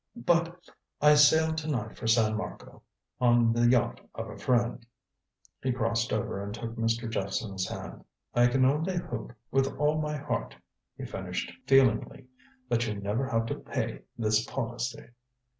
But I sail to night for San Marco on the yacht of a friend." He crossed over and took Mr. Jephson's hand. "I can only hope, with all my heart," he finished feelingly, "that you never have to pay this policy."